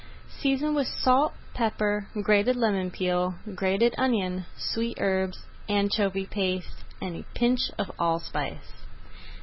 Season with salt, pepper, grated lemon peel, grated onion, sweet herbs, anchovy paste, and a pinch of allspice.